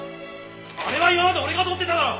あれは今まで俺が撮ってただろ！